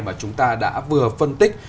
mà chúng ta đã vừa phân tích